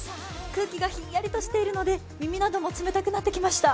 空気がひんやりとしているので、耳なども冷たくなってきました。